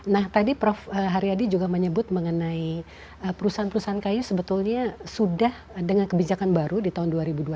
nah tadi prof haryadi juga menyebut mengenai perusahaan perusahaan kayu sebetulnya sudah dengan kebijakan baru di tahun dua ribu dua puluh